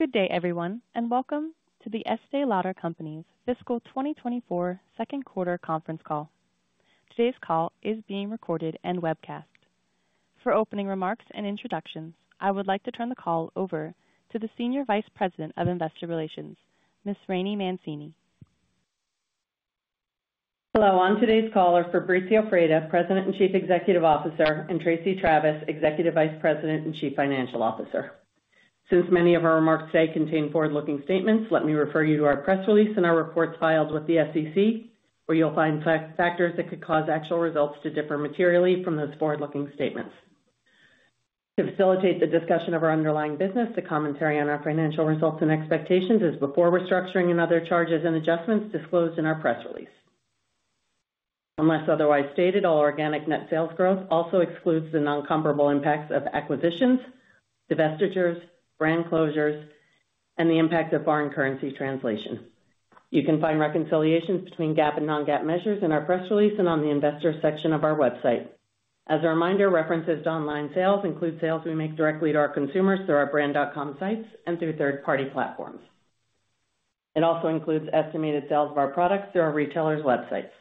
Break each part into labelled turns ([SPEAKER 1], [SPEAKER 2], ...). [SPEAKER 1] Good day, everyone, and welcome to The Estée Lauder Companies Fiscal 2024 second quarter conference call. Today's call is being recorded and webcast. For opening remarks and introductions, I would like to turn the call over to the Senior Vice President of Investor Relations, Ms. Rainey Mancini.
[SPEAKER 2] Hello. On today's call are Fabrizio Freda, President and Chief Executive Officer, and Tracey Travis, Executive Vice President and Chief Financial Officer. Since many of our remarks today contain forward-looking statements, let me refer you to our press release and our reports filed with the SEC, where you'll find factors that could cause actual results to differ materially from those forward-looking statements. To facilitate the discussion of our underlying business, the commentary on our financial results and expectations is before restructuring and other charges and adjustments disclosed in our press release. Unless otherwise stated, all organic net sales growth also excludes the non-comparable impacts of acquisitions, divestitures, brand closures, and the impact of foreign currency translation. You can find reconciliations between GAAP and non-GAAP measures in our press release and on the investor section of our website. As a reminder, references to online sales include sales we make directly to our consumers through our brand.com sites and through third-party platforms. It also includes estimated sales of our products through our retailers' websites.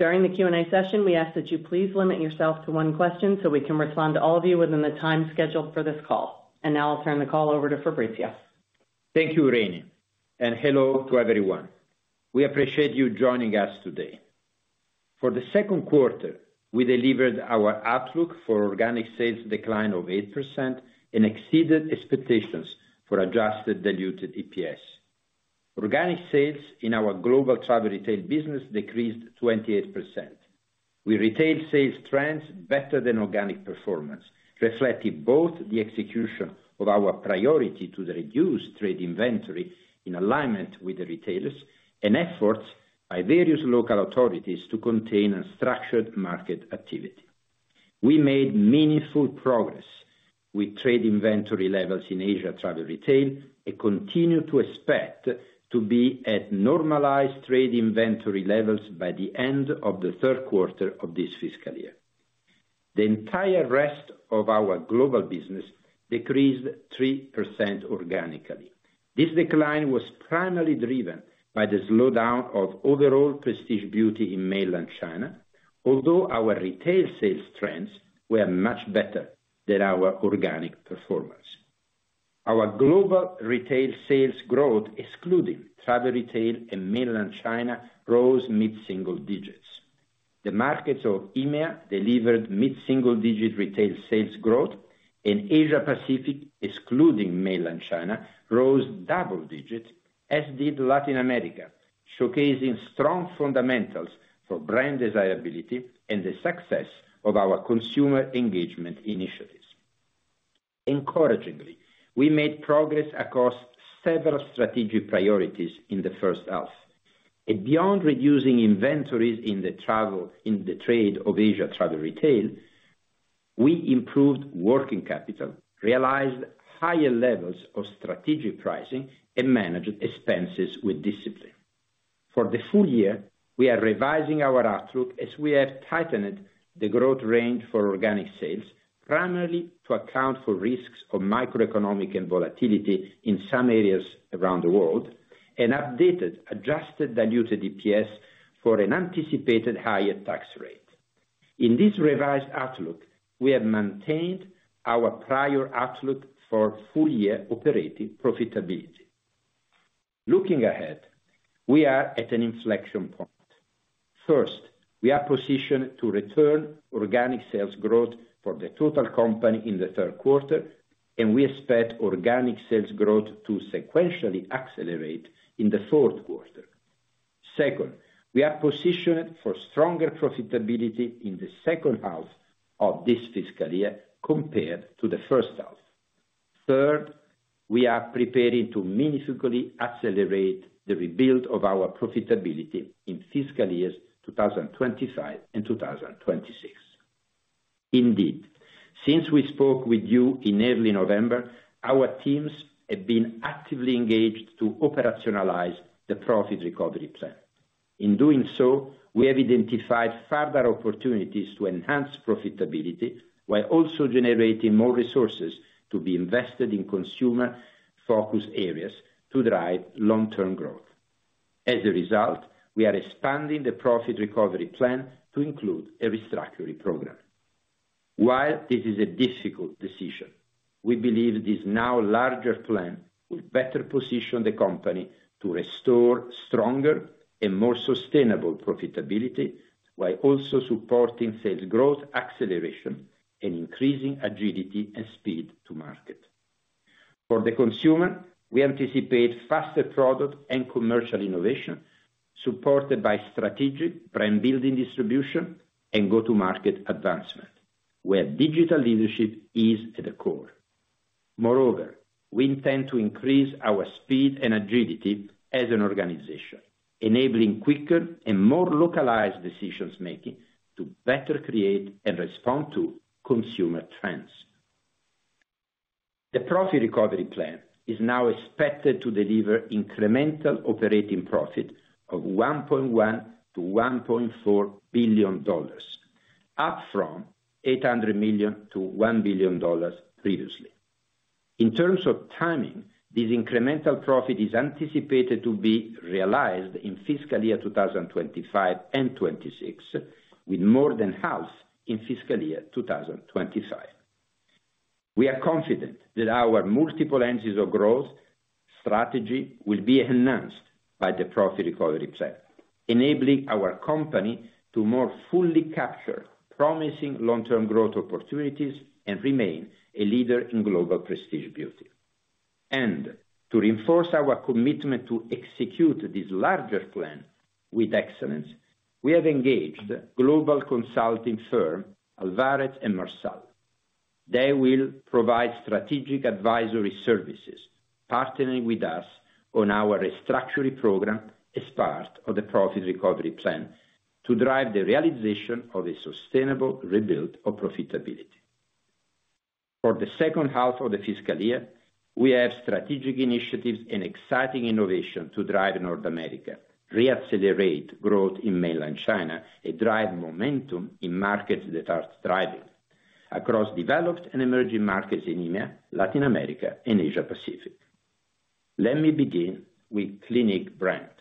[SPEAKER 2] During the Q&A session, we ask that you please limit yourself to one question, so we can respond to all of you within the time scheduled for this call. And now I'll turn the call over to Fabrizio.
[SPEAKER 3] Thank you, Rainey, and hello to everyone. We appreciate you joining us today. For the second quarter, we delivered our outlook for organic sales decline of 8% and exceeded expectations for adjusted diluted EPS. Organic sales in our global travel retail business decreased 28%. We retained sales trends better than organic performance, reflecting both the execution of our priority to reduce trade inventory in alignment with the retailers and efforts by various local authorities to contain unstructured market activity. We made meaningful progress with trade inventory levels in Asia Travel Retail, and continue to expect to be at normalized trade inventory levels by the end of the third quarter of this fiscal year. The entire rest of our global business decreased 3% organically. This decline was primarily driven by the slowdown of overall Prestige Beauty in Mainland China, although our retail sales trends were much better than our organic performance. Our global retail sales growth, excluding travel retail in Mainland China, rose mid-single digits. The markets of EMEA delivered mid-single-digit retail sales growth, and Asia Pacific, excluding Mainland China, rose double digits, as did Latin America, showcasing strong fundamentals for brand desirability and the success of our consumer engagement initiatives. Encouragingly, we made progress across several strategic priorities in the first half, and beyond reducing inventories in the travel retail. In the trade of Asia Travel Retail, we improved working capital, realized higher levels of strategic pricing, and managed expenses with discipline. For the full year, we are revising our outlook as we have tightened the growth range for organic sales, primarily to account for risks of macroeconomic and volatility in some areas around the world, and updated Adjusted Diluted EPS for an anticipated higher tax rate. In this revised outlook, we have maintained our prior outlook for full-year operating profitability. Looking ahead, we are at an inflection point. First, we are positioned to return organic sales growth for the total company in the third quarter, and we expect organic sales growth to sequentially accelerate in the fourth quarter. Second, we are positioned for stronger profitability in the second half of this fiscal year compared to the first half. Third, we are preparing to meaningfully accelerate the rebuild of our profitability in fiscal years 2025 and 2026. Indeed, since we spoke with you in early November, our teams have been actively engaged to operationalize the profit recovery plan. In doing so, we have identified further opportunities to enhance profitability while also generating more resources to be invested in consumer-focused areas to drive long-term growth. As a result, we are expanding the profit recovery plan to include a restructuring program. While this is a difficult decision, we believe this now larger plan will better position the company to restore stronger and more sustainable profitability, while also supporting sales growth acceleration, and increasing agility and speed to market. For the consumer, we anticipate faster product and commercial innovation, supported by strategic brand building distribution and go-to-market advancement, where digital leadership is at the core. Moreover, we intend to increase our speed and agility as an organization, enabling quicker and more localized decisions making to better create and respond to consumer trends. The profit recovery plan is now expected to deliver incremental operating profit of $1.1 billion-$1.4 billion, up from $800 million-$1 billion previously. In terms of timing, this incremental profit is anticipated to be realized in fiscal year 2025 and 2026, with more than half in fiscal year 2025. We are confident that our multiple engines of growth strategy will be enhanced by the profit recovery plan, enabling our company to more fully capture promising long-term growth opportunities and remain a leader in global Prestige Beauty. To reinforce our commitment to execute this larger plan with excellence, we have engaged global consulting firm Alvarez & Marsal. They will provide strategic advisory services, partnering with us on our restructuring program as part of the profit recovery plan to drive the realization of a sustainable rebuild of profitability. For the second half of the fiscal year, we have strategic initiatives and exciting innovation to drive North America, re-accelerate growth in Mainland China, and drive momentum in markets that are thriving across developed and emerging markets in EMEA, Latin America, and Asia Pacific. Let me begin with Clinique brand.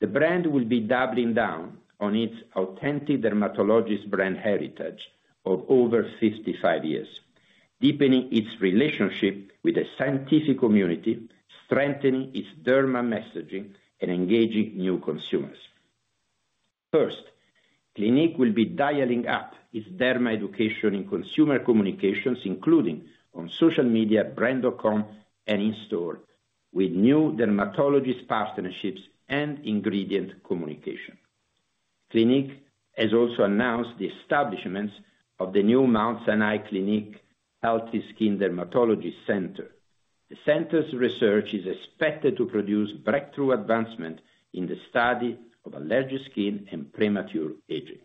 [SPEAKER 3] The brand will be doubling down on its authentic dermatologist brand heritage of over 55 years, deepening its relationship with the scientific community, strengthening its derma messaging, and engaging new consumers. First, Clinique will be dialing up its derma education in consumer communications, including on social media, brand.com, and in store, with new dermatologist partnerships and ingredient communication. Clinique has also announced the establishment of the new Mount Sinai-Clinique Healthy Skin Dermatology Center. The center's research is expected to produce breakthrough advancement in the study of allergic skin and premature aging.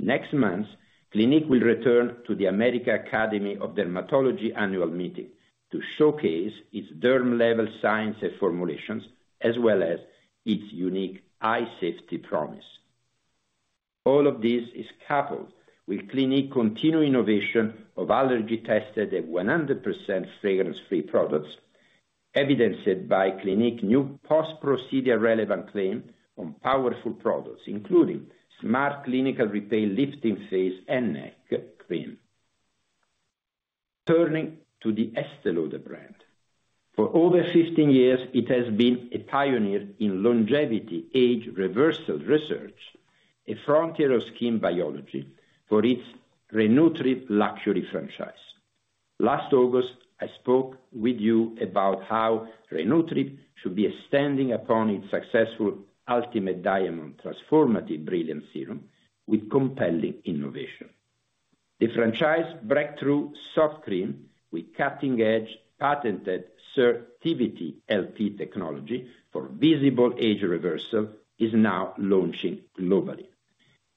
[SPEAKER 3] Next month, Clinique will return to the American Academy of Dermatology annual meeting to showcase its derm level science and formulations, as well as its unique eye safety promise. All of this is coupled with Clinique continued innovation of allergy tested and 100% fragrance-free products, evidenced by Clinique new post-procedure relevant claim on powerful products, including Smart Clinical Repair Lifting Face and Neck Cream. Turning to the Estée Lauder brand. For over 15 years, it has been a pioneer in longevity, age reversal research, a frontier of skin biology for its Re-Nutriv luxury franchise. Last August, I spoke with you about how Re-Nutriv should be extending upon its successful Ultimate Diamond Transformative Brilliance Serum with compelling innovation. The franchise breakthrough Soft Cream with cutting-edge patented SIRTIVITY-LP technology for visible age reversal is now launching globally.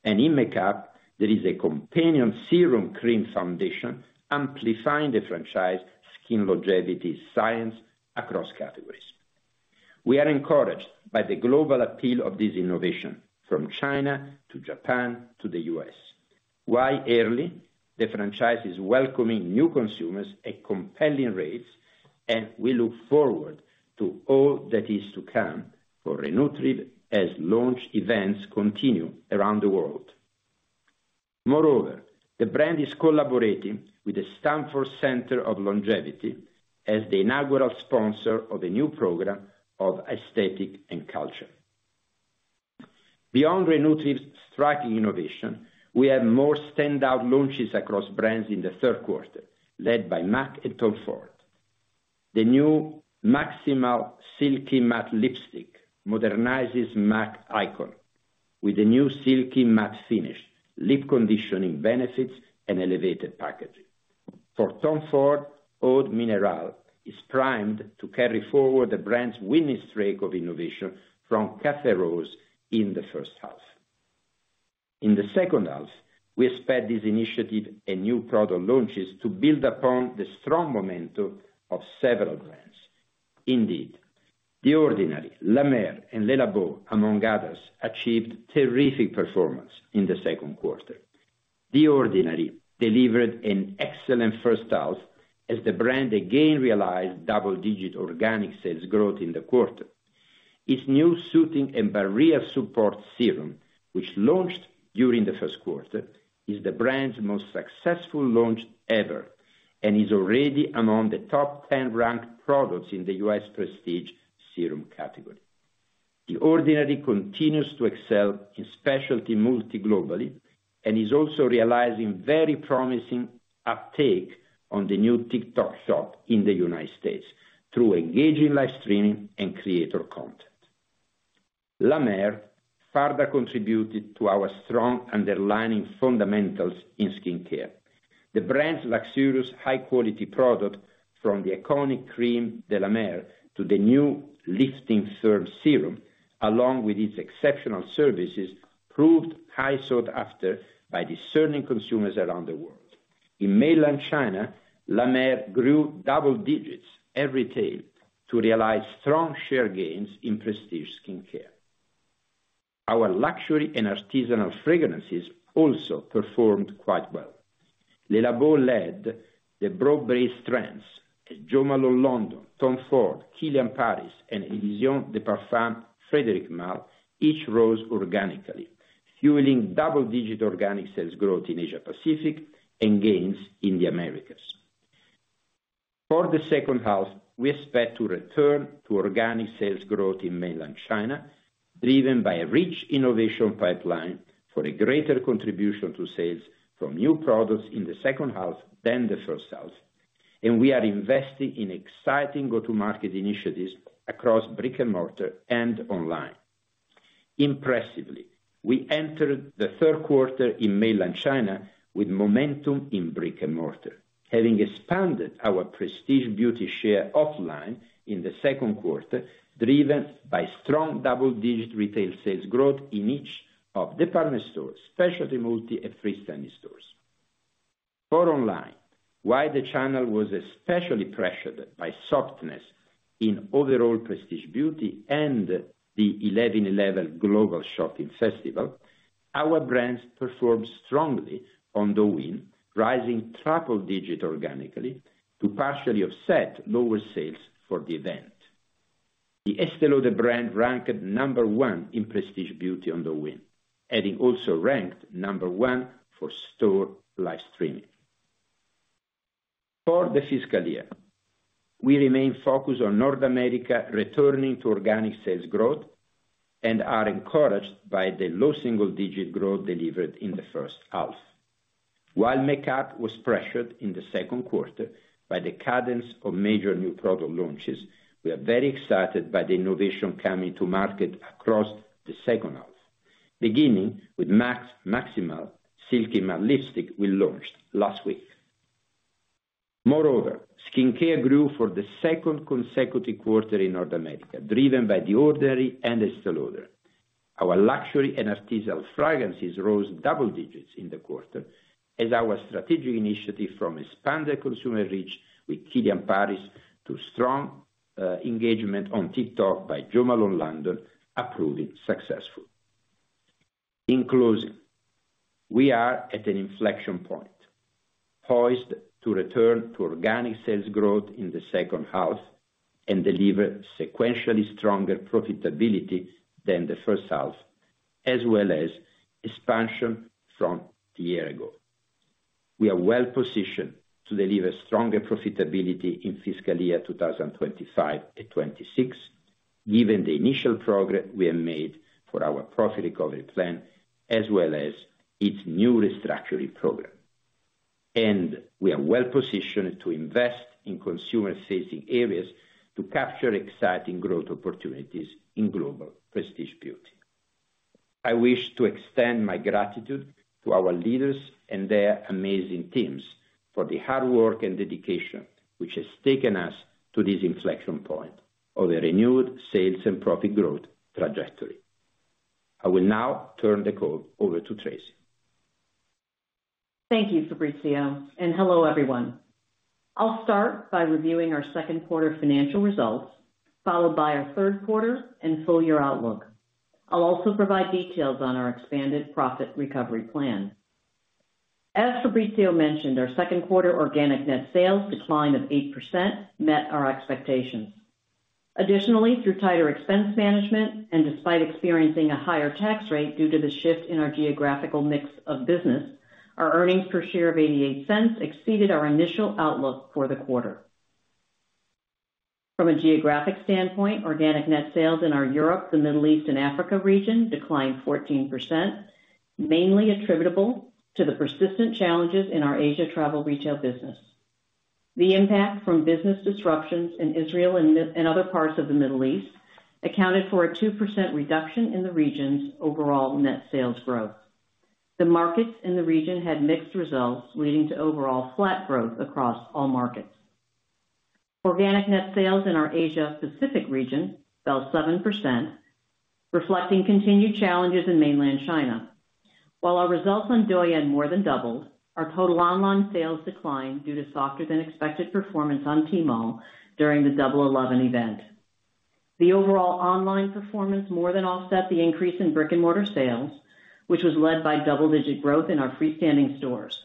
[SPEAKER 3] In M·A·C, there is a companion serum cream foundation amplifying the franchise skin longevity science across categories. We are encouraged by the global appeal of this innovation from China to Japan to the U.S. While early, the franchise is welcoming new consumers at compelling rates, and we look forward to all that is to come for Re-Nutriv as launch events continue around the world. Moreover, the brand is collaborating with the Stanford Center on Longevity as the inaugural sponsor of the new Program on Aesthetics & Culture. Beyond Re-Nutriv's striking innovation, we have more standout launches across brands in the third quarter, led by M·A·C and Tom Ford. The new M·A·Cximal Silky Matte Lipstick modernizes M·A·C icon with a new silky matte finish, lip conditioning benefits, and elevated packaging. For Tom Ford, Oud Minérale is primed to carry forward the brand's winning streak of innovation from Café Rose in the first half. In the second half, we expect this initiative and new product launches to build upon the strong momentum of several brands. Indeed, The Ordinary, La Mer, and Le Labo, among others, achieved terrific performance in the second quarter. The Ordinary delivered an excellent first half as the brand again realized double-digit organic sales growth in the quarter. Its new soothing and barrier support serum, which launched during the first quarter, is the brand's most successful launch ever, and is already among the top 10 ranked products in the U.S. prestige serum category. The Ordinary continues to excel in specialty multi-globally, and is also realizing very promising uptake on the new TikTok Shop in the United States through engaging live streaming and creator content. La Mer further contributed to our strong underlying fundamentals in skincare. The brand's luxurious, high-quality product from the iconic Crème de la Mer to the new Lifting Firming Serum, along with its exceptional services, proved highly sought after by discerning consumers around the world. In Mainland China, La Mer grew double digits everywhere to realize strong share gains in prestige skincare. Our luxury and artisanal fragrances also performed quite well. Le Labo led the broad-based trends, as Jo Malone London, Tom Ford, KILIAN PARIS, and Éditions de Parfums Frédéric Malle, each rose organically, fueling double-digit organic sales growth in Asia Pacific and gains in the Americas. For the second half, we expect to return to organic sales growth in Mainland China, driven by a rich innovation pipeline for a greater contribution to sales from new products in the second half than the first half, and we are investing in exciting go-to-market initiatives across brick-and-mortar and online. Impressively, we entered the third quarter in Mainland China with momentum in brick-and-mortar, having expanded our Prestige Beauty share offline in the second quarter, driven by strong double-digit retail sales growth in each of department stores, Specialty Multi, and freestanding stores. For online, while the channel was especially pressured by softness in overall Prestige Beauty and the 11.11 Global Shopping Festival, our brands performed strongly on Douyin, rising triple-digit organically to partially offset lower sales for the event. The Estée Lauder brand ranked number one in prestige beauty on Douyin, having also ranked number one for store live streaming. For the fiscal year, we remain focused on North America, returning to organic sales growth, and are encouraged by the low single-digit growth delivered in the first half. While makeup was pressured in the second quarter by the cadence of major new product launches, we are very excited by the innovation coming to market across the second half, beginning with M·A·C's M·A·Cximal Silky Matte Lipstick we launched last week. Moreover, skincare grew for the second consecutive quarter in North America, driven by The Ordinary and Estée Lauder. Our luxury and artisanal fragrances rose double digits in the quarter as our strategic initiative from expanded consumer reach with Kilian Paris to strong engagement on TikTok by Jo Malone London are proving successful. In closing, we are at an inflection point, poised to return to organic sales growth in the second half and deliver sequentially stronger profitability than the first half, as well as expansion from a year ago. We are well-positioned to deliver stronger profitability in fiscal year 2025 and 2026, given the initial progress we have made for our profit recovery plan, as well as its new restructuring program. We are well-positioned to invest in consumer-facing areas to capture exciting growth opportunities in global Prestige Beauty. I wish to extend my gratitude to our leaders and their amazing teams for the hard work and dedication, which has taken us to this inflection point of a renewed sales and profit growth trajectory. I will now turn the call over to Tracey.
[SPEAKER 4] Thank you, Fabrizio, and hello, everyone. I'll start by reviewing our second quarter financial results, followed by our third quarter and full year outlook. I'll also provide details on our expanded profit recovery plan. As Fabrizio mentioned, our second quarter organic net sales decline of 8% met our expectations. Additionally, through tighter expense management, and despite experiencing a higher tax rate due to the shift in our geographical mix of business, our earnings per share of $0.88 exceeded our initial outlook for the quarter. From a geographic standpoint, organic net sales in our Europe, the Middle East and Africa region declined 14%, mainly attributable to the persistent challenges in our Asia travel retail business. The impact from business disruptions in Israel and other parts of the Middle East accounted for a 2% reduction in the region's overall net sales growth. The markets in the region had mixed results, leading to overall flat growth across all markets. Organic net sales in our Asia Pacific region fell 7%, reflecting continued challenges in Mainland China. While our results on Douyin more than doubled, our total online sales declined due to softer than expected performance on Tmall during the Double 11 event. The overall online performance more than offset the increase in brick-and-mortar sales, which was led by double-digit growth in our freestanding stores.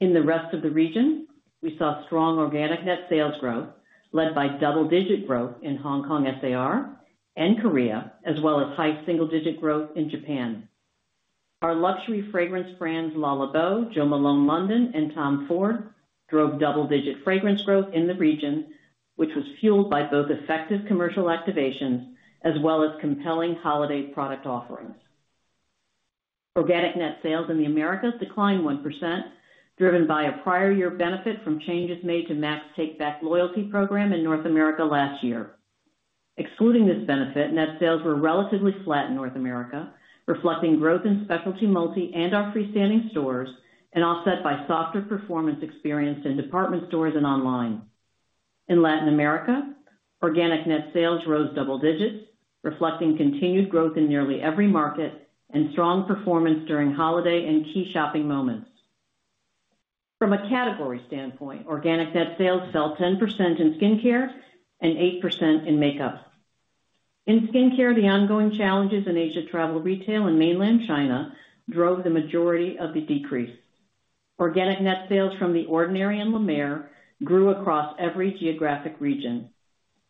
[SPEAKER 4] In the rest of the region, we saw strong organic net sales growth, led by double-digit growth in Hong Kong SAR and Korea, as well as high single-digit growth in Japan. Our luxury fragrance brands, Le Labo, Jo Malone London, and Tom Ford, drove double-digit fragrance growth in the region, which was fueled by both effective commercial activations as well as compelling holiday product offerings. Organic net sales in the Americas declined 1%, driven by a prior year benefit from changes made to MAC's Take Back loyalty program in North America last year. Excluding this benefit, net sales were relatively flat in North America, reflecting growth in specialty multi and our freestanding stores, and offset by softer performance experienced in department stores and online. In Latin America, organic net sales rose double digits, reflecting continued growth in nearly every market and strong performance during holiday and key shopping moments. From a category standpoint, organic net sales fell 10% in skincare and 8% in makeup. In skincare, the ongoing challenges in Asia Travel Retail and Mainland China drove the majority of the decrease. Organic net sales from The Ordinary and La Mer grew across every geographic region.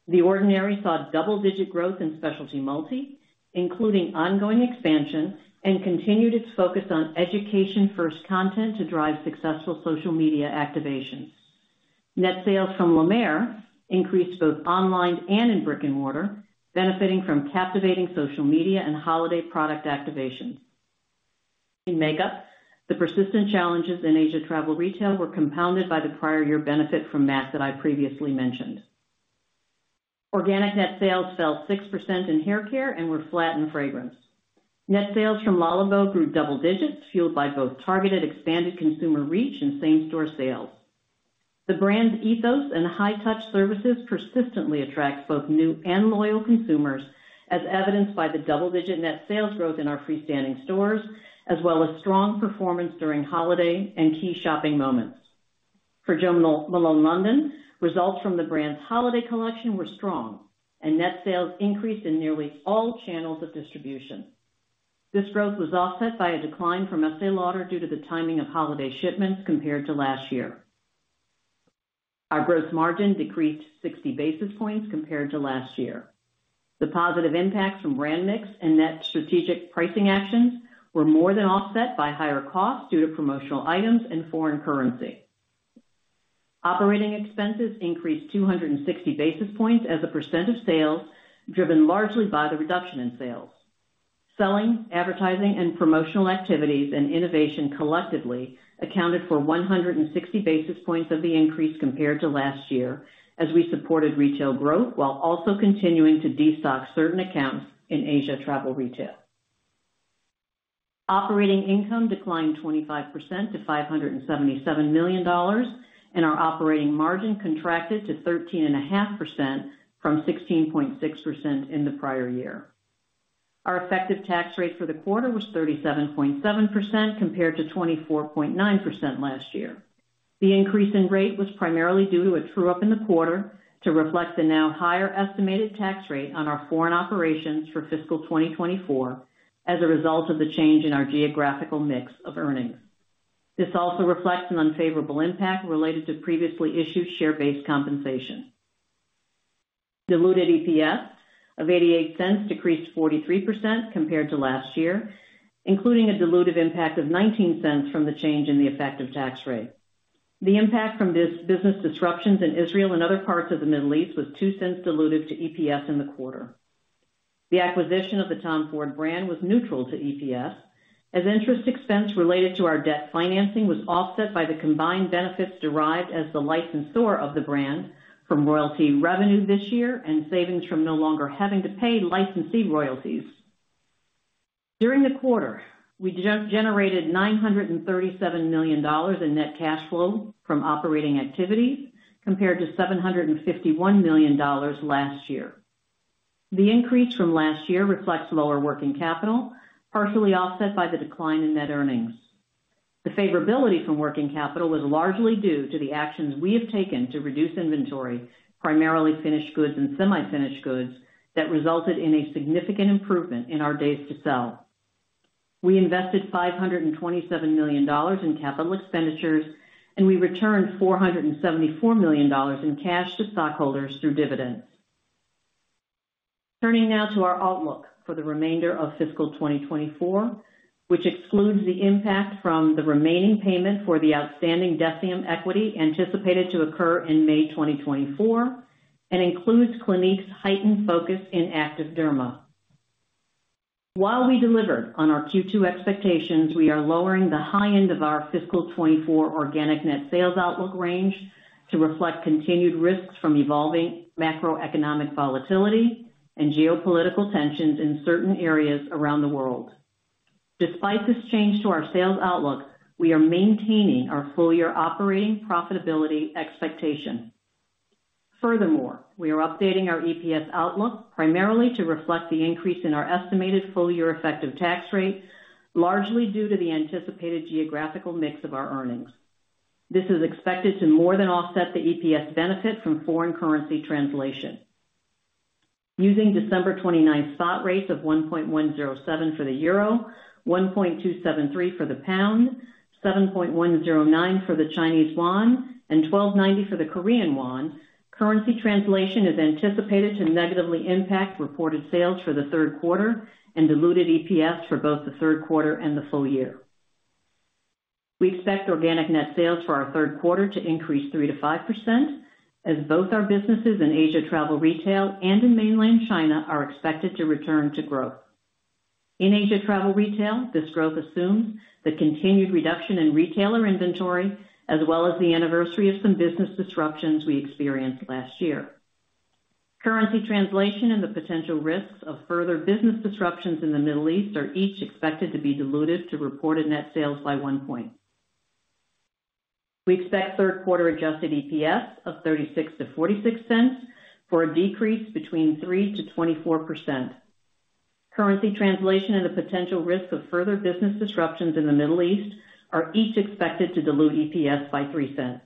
[SPEAKER 4] The Ordinary saw double-digit growth in Specialty Multi, including ongoing expansion, and continued its focus on education-first content to drive successful social media activations. Net sales from La Mer increased both online and in brick-and-mortar, benefiting from captivating social media and holiday product activations. In makeup, the persistent challenges in Asia Travel Retail were compounded by the prior year benefit from M·A·C that I previously mentioned. Organic net sales fell 6% in hair care and were flat in fragrance. Net sales from Le Labo grew double digits, fueled by both targeted expanded consumer reach and same-store sales. The brand's ethos and high-touch services persistently attract both new and loyal consumers, as evidenced by the double-digit net sales growth in our freestanding stores, as well as strong performance during holiday and key shopping moments. For Jo Malone London, results from the brand's holiday collection were strong, and net sales increased in nearly all channels of distribution. This growth was offset by a decline from Estée Lauder due to the timing of holiday shipments compared to last year. Our gross margin decreased 60 basis points compared to last year. The positive impacts from brand mix and net strategic pricing actions were more than offset by higher costs due to promotional items and foreign currency. Operating expenses increased 260 basis points as a percent of sales, driven largely by the reduction in sales. Selling, advertising, and promotional activities and innovation collectively accounted for 160 basis points of the increase compared to last year, as we supported retail growth while also continuing to destock certain accounts in Asia Travel Retail. Operating income declined 25% to $577 million, and our operating margin contracted to 13.5% from 16.6% in the prior year. Our effective tax rate for the quarter was 37.7%, compared to 24.9% last year. The increase in rate was primarily due to a true-up in the quarter to reflect the now higher estimated tax rate on our foreign operations for fiscal 2024 as a result of the change in our geographical mix of earnings. This also reflects an unfavorable impact related to previously issued share-based compensation. Diluted EPS of $0.88 decreased 43% compared to last year, including a dilutive impact of $0.19 from the change in the effective tax rate. The impact from these business disruptions in Israel and other parts of the Middle East was $0.02 dilutive to EPS in the quarter. The acquisition of the Tom Ford brand was neutral to EPS, as interest expense related to our debt financing was offset by the combined benefits derived as the licensor of the brand from royalty revenue this year and savings from no longer having to pay licensee royalties. During the quarter, we generated $937 million in net cash flow from operating activities, compared to $751 million last year. The increase from last year reflects lower working capital, partially offset by the decline in net earnings. The favorability from working capital was largely due to the actions we have taken to reduce inventory, primarily finished goods and semi-finished goods, that resulted in a significant improvement in our days to sell. We invested $527 million in capital expenditures, and we returned $474 million in cash to stockholders through dividends. Turning now to our outlook for the remainder of fiscal 2024, which excludes the impact from the remaining payment for the outstanding DECIEM equity anticipated to occur in May 2024 and includes Clinique's heightened focus in Active Derma. While we delivered on our Q2 expectations, we are lowering the high end of our fiscal 2024 organic net sales outlook range to reflect continued risks from evolving macroeconomic volatility and geopolitical tensions in certain areas around the world. Despite this change to our sales outlook, we are maintaining our full-year operating profitability expectation. Furthermore, we are updating our EPS outlook primarily to reflect the increase in our estimated full-year effective tax rate, largely due to the anticipated geographical mix of our earnings. This is expected to more than offset the EPS benefit from foreign currency translation. Using December 29th spot rates of 1.107 for the EUR, 1.273 for the GBP, 7.109 for the CNY, and 12.90 for the KRW, currency translation is anticipated to negatively impact reported sales for the third quarter and diluted EPS for both the third quarter and the full year. We expect organic net sales for our third quarter to increase 3%-5%, as both our businesses in Asia Travel Retail and in Mainland China are expected to return to growth. In Asia Travel Retail, this growth assumes the continued reduction in retailer inventory, as well as the anniversary of some business disruptions we experienced last year. Currency translation and the potential risks of further business disruptions in the Middle East are each expected to be diluted to reported net sales by one point. We expect third quarter adjusted EPS of $0.36-$0.46 for a decrease between 3%-24%. Currency translation and the potential risks of further business disruptions in the Middle East are each expected to dilute EPS by $0.03.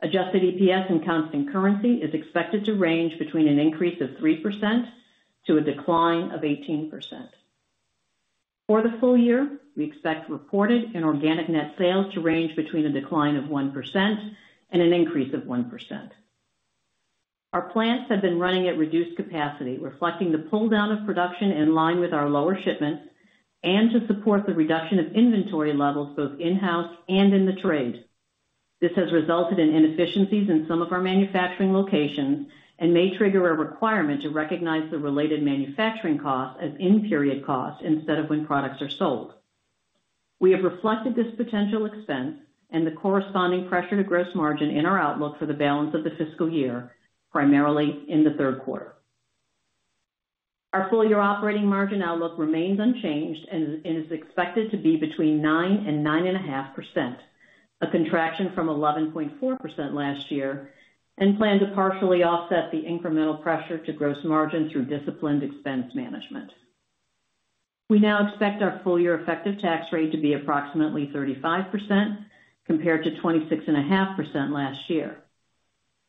[SPEAKER 4] Adjusted EPS and constant currency is expected to range between an increase of 3% to a decline of 18%. For the full year, we expect reported and organic net sales to range between a decline of 1% and an increase of 1%. Our plants have been running at reduced capacity, reflecting the pull down of production in line with our lower shipments and to support the reduction of inventory levels both in-house and in the trade. This has resulted in inefficiencies in some of our manufacturing locations and may trigger a requirement to recognize the related manufacturing costs as in-period costs instead of when products are sold. We have reflected this potential expense and the corresponding pressure to gross margin in our outlook for the balance of the fiscal year, primarily in the third quarter. Our full-year operating margin outlook remains unchanged and is expected to be between 9% and 9.5%, a contraction from 11.4% last year, and plan to partially offset the incremental pressure to gross margin through disciplined expense management. We now expect our full-year effective tax rate to be approximately 35%, compared to 26.5% last year.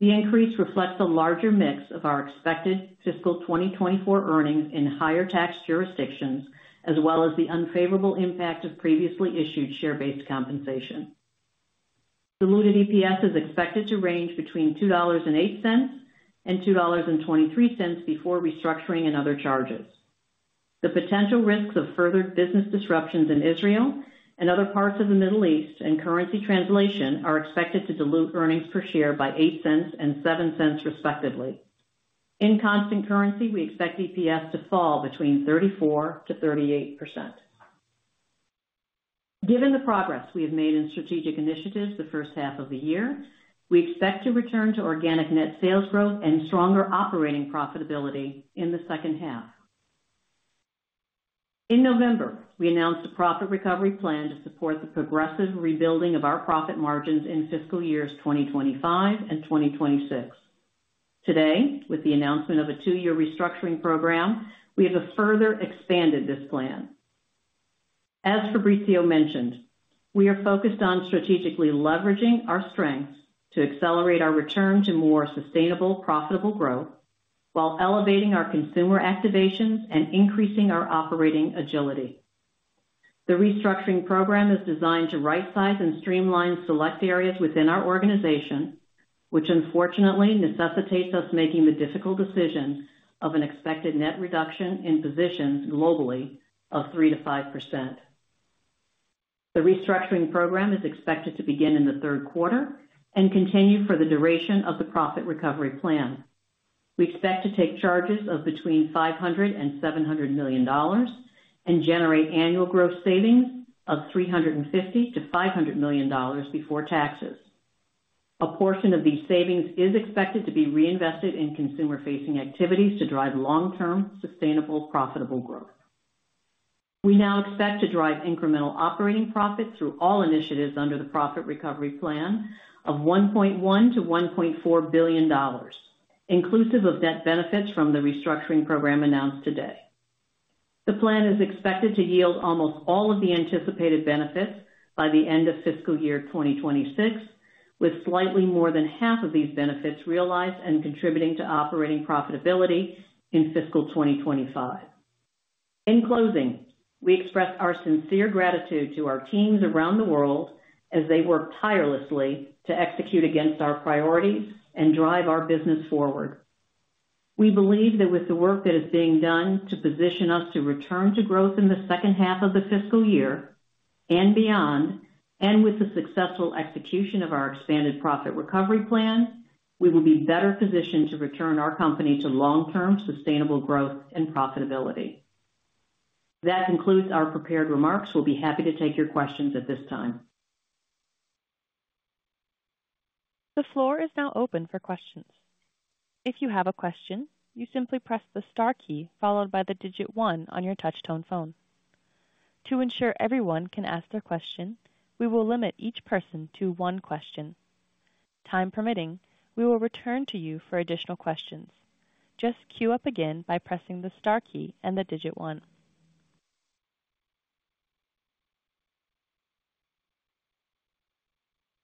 [SPEAKER 4] The increase reflects a larger mix of our expected fiscal 2024 earnings in higher tax jurisdictions, as well as the unfavorable impact of previously issued share-based compensation. Diluted EPS is expected to range between $2.08 and $2.23 before restructuring and other charges. The potential risks of further business disruptions in Israel and other parts of the Middle East and currency translation are expected to dilute earnings per share by $0.08 and $0.07, respectively. In constant currency, we expect EPS to fall between 34%-38%. Given the progress we have made in strategic initiatives the first half of the year, we expect to return to organic net sales growth and stronger operating profitability in the second half. In November, we announced a profit recovery plan to support the progressive rebuilding of our profit margins in fiscal years 2025 and 2026. Today, with the announcement of a two-year restructuring program, we have further expanded this plan. As Fabrizio mentioned, we are focused on strategically leveraging our strengths to accelerate our return to more sustainable, profitable growth while elevating our consumer activations and increasing our operating agility. The restructuring program is designed to rightsize and streamline select areas within our organization, which unfortunately necessitates us making the difficult decision of an expected net reduction in positions globally of 3%-5%. The restructuring program is expected to begin in the third quarter and continue for the duration of the profit recovery plan. We expect to take charges of between $500 million and $700 million and generate annual growth savings of $350 million-$500 million before taxes. A portion of these savings is expected to be reinvested in consumer-facing activities to drive long-term, sustainable, profitable growth. We now expect to drive incremental operating profits through all initiatives under the profit recovery plan of $1.1 billion-$1.4 billion, inclusive of net benefits from the restructuring program announced today. The plan is expected to yield almost all of the anticipated benefits by the end of fiscal year 2026, with slightly more than half of these benefits realized and contributing to operating profitability in fiscal 2025. In closing, we express our sincere gratitude to our teams around the world as they work tirelessly to execute against our priorities and drive our business forward. We believe that with the work that is being done to position us to return to growth in the second half of the fiscal year and beyond, and with the successful execution of our expanded profit recovery plan, we will be better positioned to return our company to long-term sustainable growth and profitability. That concludes our prepared remarks. We'll be happy to take your questions at this time.
[SPEAKER 1] The floor is now open for questions. If you have a question, you simply press the star key followed by the digit one on your touch tone phone. To ensure everyone can ask their question, we will limit each person to one question. Time permitting, we will return to you for additional questions. Just queue up again by pressing the star key and the digit one.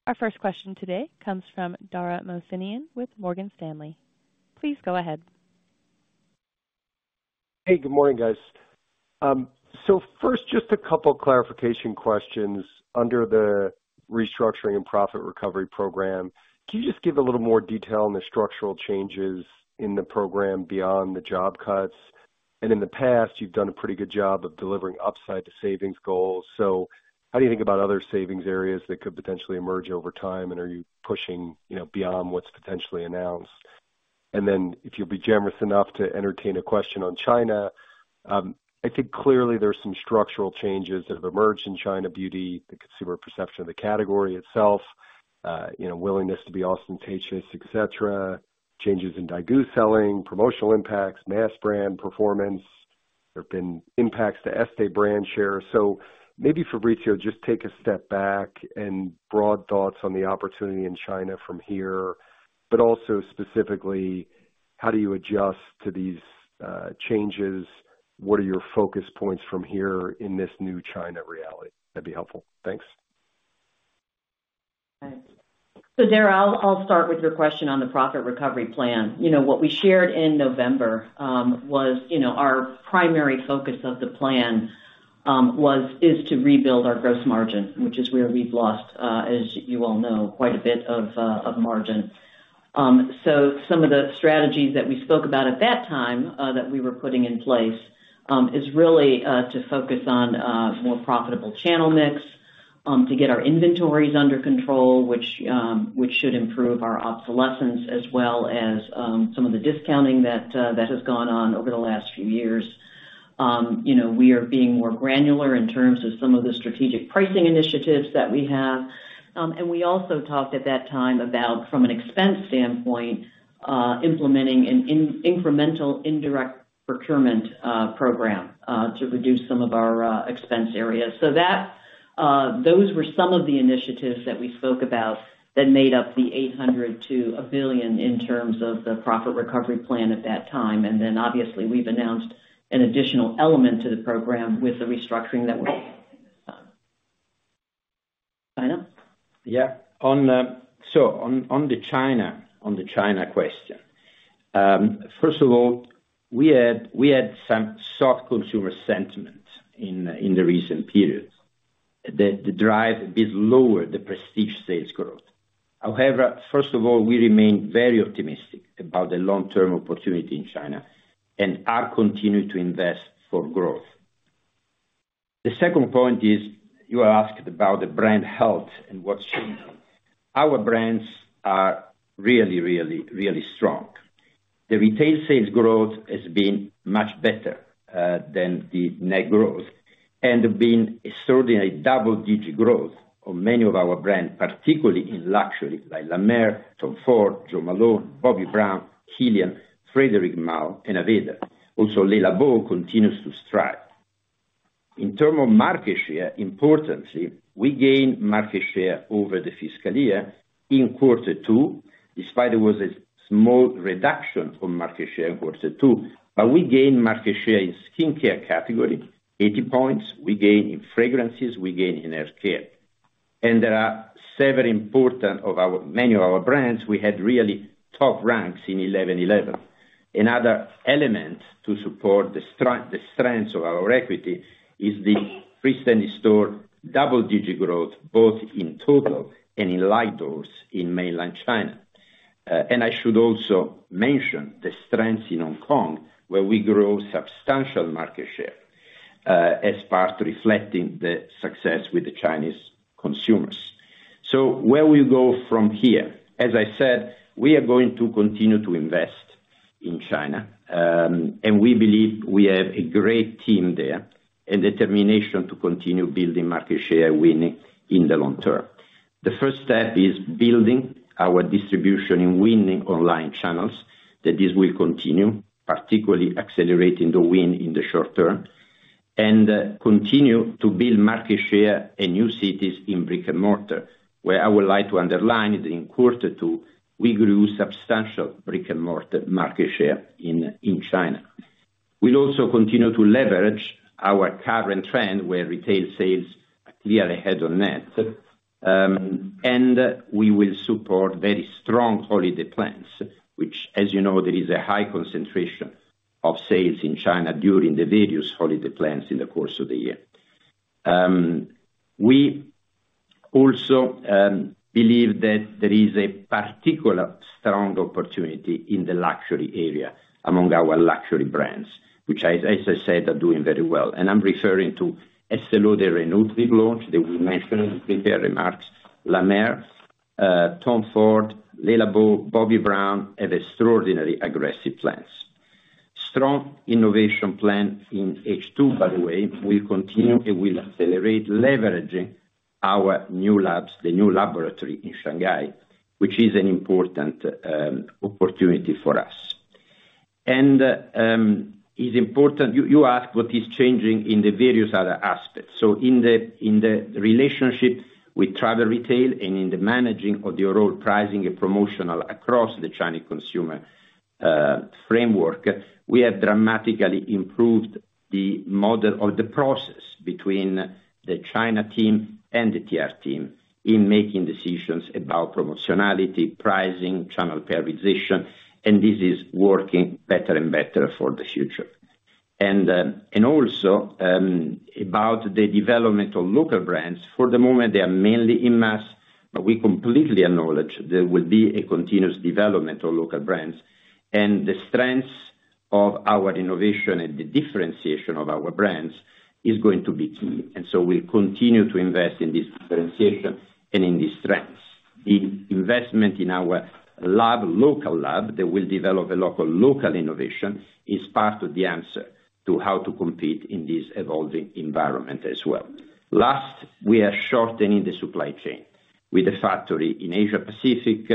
[SPEAKER 1] Our first question today comes from Dara Mohsenian with Morgan Stanley. Please go ahead.
[SPEAKER 5] Hey, good morning, guys. So first, just a couple clarification questions under the restructuring and profit recovery program. Can you just give a little more detail on the structural changes in the program beyond the job cuts? And in the past, you've done a pretty good job of delivering upside to savings goals. So how do you think about other savings areas that could potentially emerge over time, and are you pushing, you know, beyond what's potentially announced? And then if you'll be generous enough to entertain a question on China. I think clearly there's some structural changes that have emerged in China beauty, the consumer perception of the category itself, you know, willingness to be ostentatious, et cetera, changes in Daigou selling, promotional impacts, mass brand performance. There have been impacts to Estée brand share. So maybe, Fabrizio, just take a step back and broad thoughts on the opportunity in China from here, but also specifically, how do you adjust to these changes? What are your focus points from here in this new China reality? That'd be helpful. Thanks.
[SPEAKER 4] Thanks. So Dara, I'll start with your question on the profit recovery plan. You know, what we shared in November was, you know, our primary focus of the plan was, is to rebuild our gross margin, which is where we've lost, as you all know, quite a bit of of margin. So some of the strategies that we spoke about at that time that we were putting in place is really to focus on more profitable channel mix to get our inventories under control, which should improve our obsolescence, as well as some of the discounting that has gone on over the last few years. You know, we are being more granular in terms of some of the strategic pricing initiatives that we have. And we also talked at that time about, from an expense standpoint, implementing an incremental indirect procurement program to reduce some of our expense areas. So, those were some of the initiatives that we spoke about that made up the $800 million-$1 billion in terms of the profit recovery plan at that time. And then obviously, we've announced an additional element to the program with the restructuring that we've done. Fabrizio?
[SPEAKER 3] Yeah. On the China question. First of all, we had some soft consumer sentiment in the recent periods that drive a bit lower the prestige sales growth. However, first of all, we remain very optimistic about the long-term opportunity in China, and are continuing to invest for growth. The second point is, you are asked about the brand health and what's changing. Our brands are really, really, really strong. The retail sales growth has been much better than the net growth, and have been extraordinary double-digit growth on many of our brands, particularly in luxury, by La Mer, Tom Ford, Jo Malone, Bobbi Brown, KILIAN, Frédéric Malle, and Aveda. Also, Le Labo continues to thrive. In terms of market share, importantly, we gained market share over the fiscal year in quarter two, despite there was a small reduction on market share in quarter two. We gained market share in skincare category, 80 points, we gained in fragrances, we gained in hair care. There are several important of our, many of our brands, we had really top ranks in 11.11. Another element to support the strengths of our equity is the freestanding store, double-digit growth, both in total and in light doors in Mainland China. I should also mention the strengths in Hong Kong, where we grow substantial market share, as part reflecting the success with the Chinese consumers. Where we go from here? As I said, we are going to continue to invest in China. And we believe we have a great team there, and determination to continue building market share, winning in the long term. The first step is building our distribution in winning online channels, that this will continue, particularly accelerating the win in the short term, and continue to build market share in new cities in brick-and-mortar, where I would like to underline that in quarter two, we grew substantial brick-and-mortar market share in China. We'll also continue to leverage our current trend, where retail sales are clearly ahead on net. And we will support very strong holiday plans, which, as you know, there is a high concentration of sales in China during the various holiday plans in the course of the year. We also believe that there is a particular strong opportunity in the luxury area among our luxury brands, which, as I said, are doing very well. And I'm referring to Estée Lauder Re-Nutriv launch that we mentioned in the remarks, La Mer, Tom Ford, Le Labo, Bobbi Brown, have extraordinarily aggressive plans. Strong innovation plan in H2, by the way, will continue and will accelerate, leveraging our new labs, the new laboratory in Shanghai, which is an important opportunity for us. And it's important. You ask what is changing in the various other aspects. So in the relationship with travel retail and in the managing of the overall pricing and promotional across the Chinese consumer framework, we have dramatically improved the model or the process between the China team and the TR team in making decisions about promotionality, pricing, channel prioritization, and this is working better and better for the future. And also about the development of local brands. For the moment, they are mainly in mass, but we completely acknowledge there will be a continuous development of local brands, and the strengths of our innovation and the differentiation of our brands is going to be key. And so we'll continue to invest in this differentiation and in these strengths.... The investment in our lab, local lab, that will develop a local, local innovation, is part of the answer to how to compete in this evolving environment as well. Last, we are shortening the supply chain with a factory in Asia Pacific,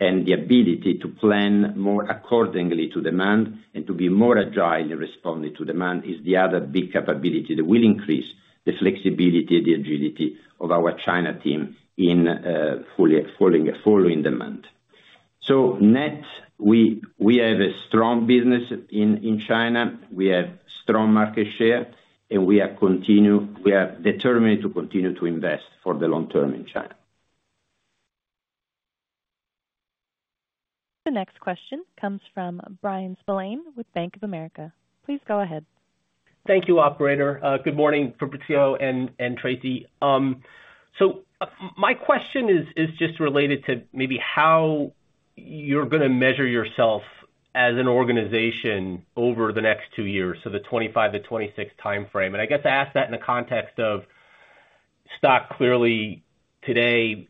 [SPEAKER 3] and the ability to plan more accordingly to demand and to be more agile in responding to demand, is the other big capability that will increase the flexibility, the agility of our China team in fully following demand. So net, we have a strong business in China. We have strong market share, and we are determined to continue to invest for the long term in China.
[SPEAKER 1] The next question comes from Brian Spillane with Bank of America. Please go ahead.
[SPEAKER 6] Thank you, operator. Good morning, Fabrizio and Tracey. So my question is just related to maybe how you're gonna measure yourself as an organization over the next two years, so the 25-26 timeframe. I guess I ask that in the context of stock clearly today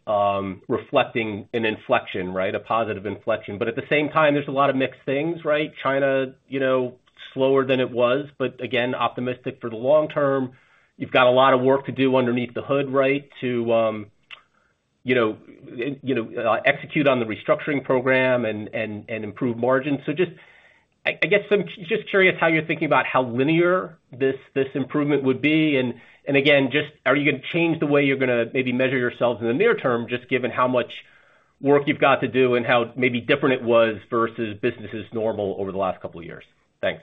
[SPEAKER 6] reflecting an inflection, right? A positive inflection. But at the same time, there's a lot of mixed things, right? China, you know, slower than it was, but again, optimistic for the long term. You've got a lot of work to do underneath the hood, right, to you know, execute on the restructuring program and improve margins. So just... I guess I'm just curious how you're thinking about how linear this improvement would be. And again, just are you gonna change the way you're gonna maybe measure yourselves in the near term, just given how much work you've got to do and how maybe different it was versus business as normal over the last couple of years? Thanks.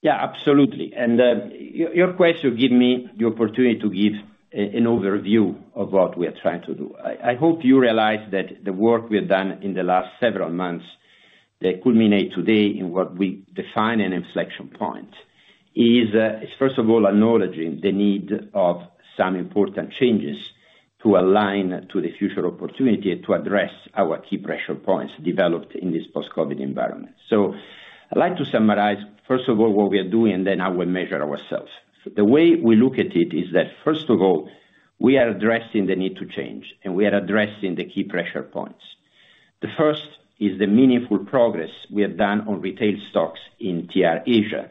[SPEAKER 3] Yeah, absolutely. And, your, your question give me the opportunity to give an overview of what we are trying to do. I hope you realize that the work we have done in the last several months, that culminate today in what we define an inflection point, is, first of all, acknowledging the need of some important changes to align to the future opportunity to address our key pressure points developed in this post-COVID environment. So I'd like to summarize, first of all, what we are doing, and then how we measure ourselves. The way we look at it is that, first of all, we are addressing the need to change, and we are addressing the key pressure points. The first is the meaningful progress we have done on retail stocks in TR Asia,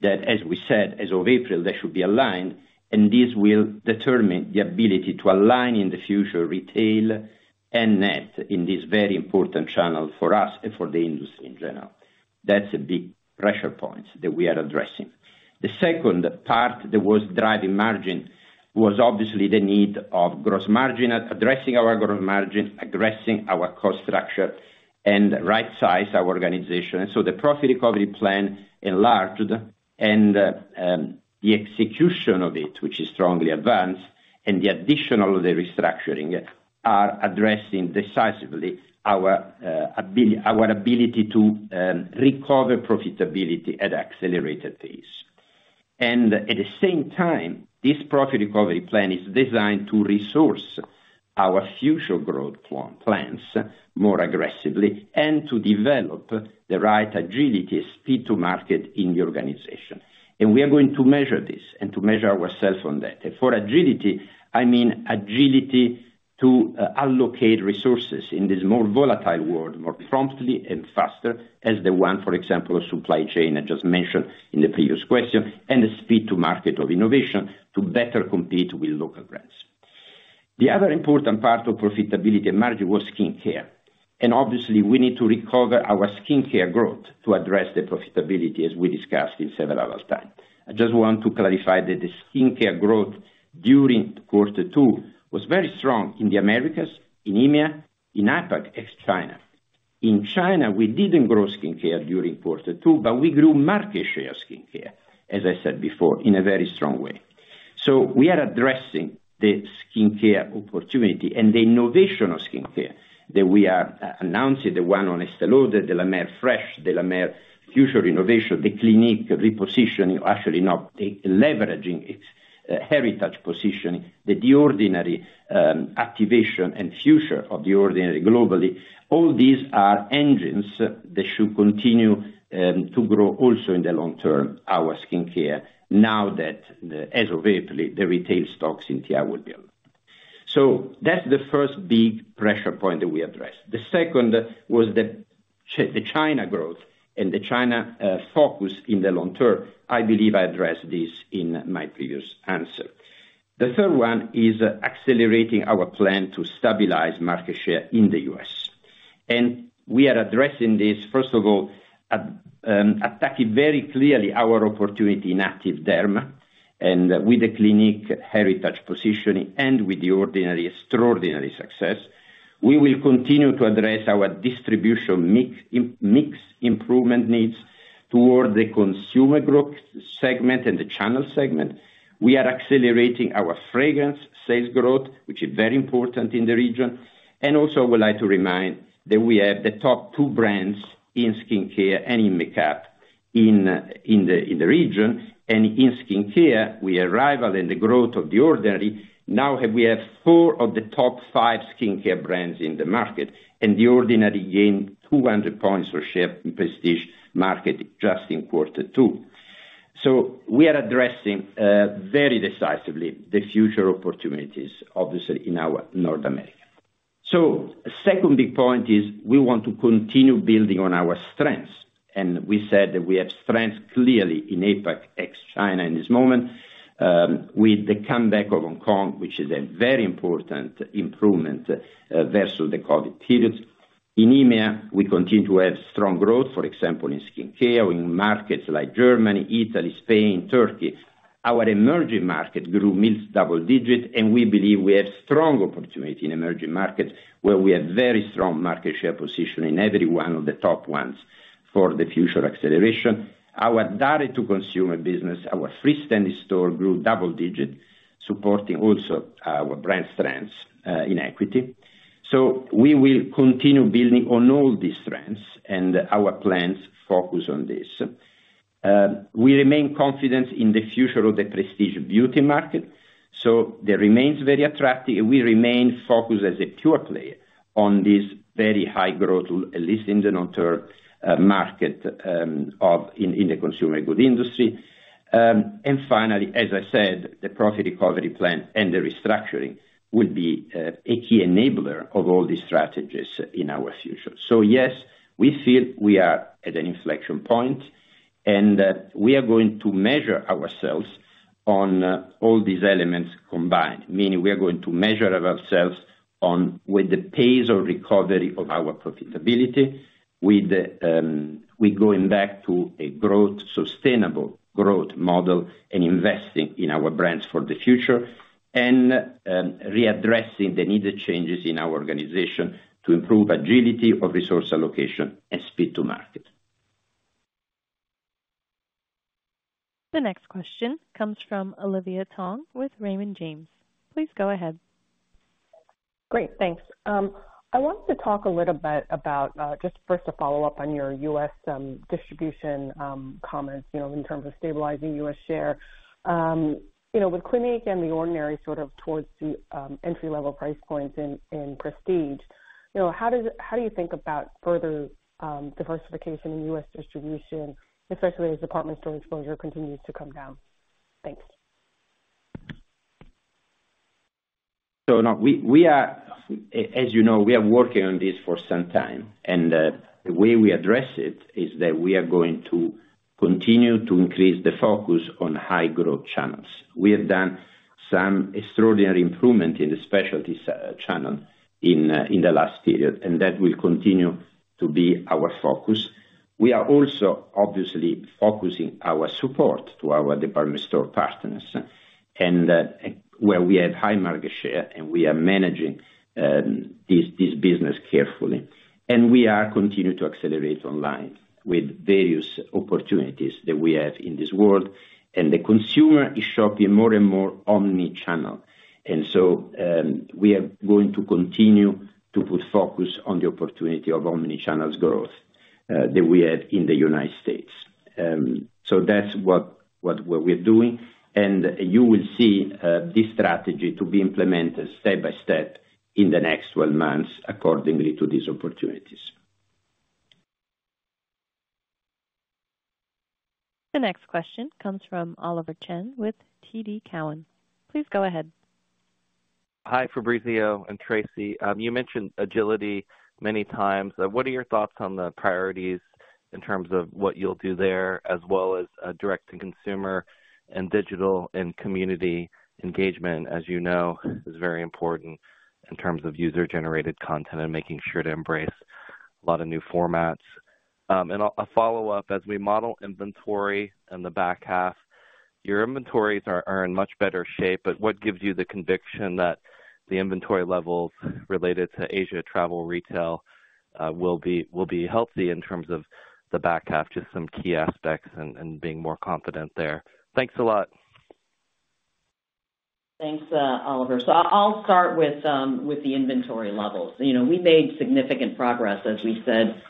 [SPEAKER 3] that, as we said, as of April, they should be aligned, and this will determine the ability to align in the future, retail and net, in this very important channel for us and for the industry in general. That's a big pressure point that we are addressing. The second part that was driving margin, was obviously the need of gross margin, addressing our gross margin, addressing our cost structure, and rightsize our organization. And so the profit recovery plan enlarged, and the execution of it, which is strongly advanced, and the additional, the restructuring, are addressing decisively our ability to recover profitability at accelerated pace. At the same time, this profit recovery plan is designed to resource our future growth plans more aggressively, and to develop the right agility, speed to market in the organization. We are going to measure this and to measure ourselves on that. For agility, I mean, agility to allocate resources in this more volatile world, more promptly and faster as the one, for example, supply chain I just mentioned in the previous question, and the speed to market of innovation to better compete with local brands. The other important part of profitability and margin was skincare, and obviously, we need to recover our skincare growth to address the profitability, as we discussed in several other time. I just want to clarify that the skincare growth during quarter two was very strong in the Americas, in EMEA, in APAC, ex-China. In China, we didn't grow skincare during quarter two, but we grew market share skincare, as I said before, in a very strong way. So we are addressing the skincare opportunity and the innovation of skincare that we are announcing, the one on Estée Lauder, the La Mer Fresh, the La Mer future innovation, the Clinique repositioning, actually, Leveraging its heritage position, The Ordinary activation and future of The Ordinary globally. All these are engines that should continue to grow also in the long term, our skincare, now that as of April, the retail stocks in TR will be up. So that's the first big pressure point that we addressed. The second was the China growth and the China focus in the long term. I believe I addressed this in my previous answer. The third one is accelerating our plan to stabilize market share in the U.S. We are addressing this, first of all, at attacking very clearly our opportunity in Active Derma and with the Clinique heritage position and with The Ordinary extraordinary success. We will continue to address our distribution mix, mix improvement needs toward the consumer growth segment and the channel segment. We are accelerating our fragrance sales growth, which is very important in the region. Also, I would like to remind that we have the top two brands in skincare and in makeup in the region. In skincare, we are riding the growth of The Ordinary. Now we have four of the top five skincare brands in the market, and The Ordinary gained 200 points of share in prestige market just in quarter two. So we are addressing very decisively the future opportunities, obviously, in our North America. Second big point is we want to continue building on our strengths, and we said that we have strength clearly in APAC, ex-China, in this moment, with the comeback of Hong Kong, which is a very important improvement versus the COVID period. In EMEA, we continue to have strong growth, for example, in skincare, in markets like Germany, Italy, Spain, Turkey. Our emerging markets grew mid-double-digit, and we believe we have strong opportunity in emerging markets, where we have very strong market share position in every one of the top ones for the future acceleration. Our direct-to-consumer business, our freestanding store, grew double-digit, supporting also our brand strengths in equity. So we will continue building on all these strengths, and our plans focus on this. We remain confident in the future of the Prestige Beauty market, so that remains very attractive, and we remain focused as a pure player on this very high growth, at least in the short term, market in the consumer goods industry. Finally, as I said, the profit recovery plan and the restructuring will be a key enabler of all these strategies in our future. So yes, we feel we are at an inflection point, and we are going to measure ourselves on all these elements combined, meaning we are going to measure ourselves on with the pace of recovery of our profitability, with the we going back to a growth, sustainable growth model and investing in our brands for the future and readdressing the needed changes in our organization to improve agility of resource allocation and speed to market.
[SPEAKER 1] The next question comes from Olivia Tong with Raymond James. Please go ahead.
[SPEAKER 7] Great, thanks. I wanted to talk a little bit about just first a follow-up on your U.S. distribution comments, you know, in terms of stabilizing U.S. share. You know, with Clinique and The Ordinary sort of towards the entry-level price points in prestige, you know, how does... How do you think about further diversification in U.S. distribution, especially as department store exposure continues to come down? Thanks.
[SPEAKER 3] So, no, we are, as you know, we are working on this for some time, and the way we address it is that we are going to continue to increase the focus on high growth channels. We have done some extraordinary improvement in the specialty multi channel in the last period, and that will continue to be our focus. We are also obviously focusing our support to our department store partners, and where we have high market share, and we are managing this business carefully. We are continuing to accelerate online with various opportunities that we have in this world. The consumer is shopping more and more omni-channel, and so we are going to continue to put focus on the opportunity of omni-channel's growth that we have in the United States. So that's what we're doing, and you will see this strategy to be implemented step by step in the next 12 months, according to these opportunities.
[SPEAKER 1] The next question comes from Oliver Chen with TD Cowen. Please go ahead.
[SPEAKER 8] Hi, Fabrizio and Tracey. You mentioned agility many times. What are your thoughts on the priorities in terms of what you'll do there, as well as direct to consumer and digital and community engagement, as you know, is very important in terms of user-generated content and making sure to embrace a lot of new formats? And a follow-up, as we model inventory in the back half, your inventories are in much better shape, but what gives you the conviction that the inventory levels related to Asia Travel Retail will be healthy in terms of the back half, just some key aspects and being more confident there? Thanks a lot.
[SPEAKER 4] Thanks, Oliver. So I'll start with the inventory levels. You know, we made significant progress, as we said,